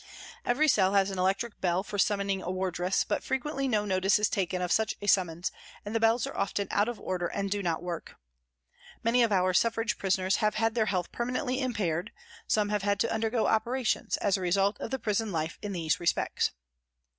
Every cell has an electric bell for summoning a wardress, but frequently no notice is taken of such a summons, and the bells are often out of order and do not work. Many of our Suffrage prisoners have had their health permanently im paired, some have had to undergo operations, as a result of the prison life in these respects.